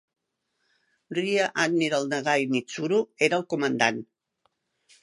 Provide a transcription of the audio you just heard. Rear Admiral Nagai Mitsuru era el comandant.